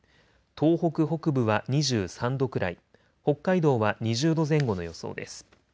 東北北部は２３度くらい、北海道は２０度前後の予想です。